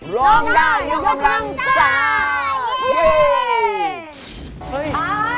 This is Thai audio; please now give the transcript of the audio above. ร้องได้อยู่กับรังสาว